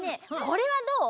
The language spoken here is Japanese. これはどう？